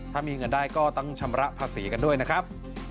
ถ้ามีเงินได้ก็ต้องชำระภาษีกันด้วยนะครับ